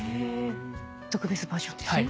特別バージョンですね。